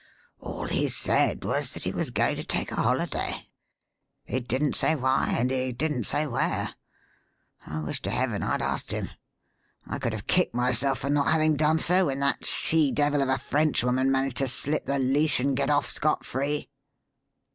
All he said was that he was going to take a holiday. He didn't say why, and he didn't say where. I wish to heaven I'd asked him. I could have kicked myself for not having done so when that she devil of a Frenchwoman managed to slip the leash and get off scot free."